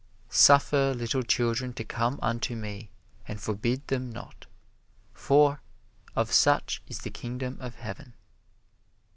"Suffer little children to come unto me, and forbid them not, for of such is the Kingdom of Heaven."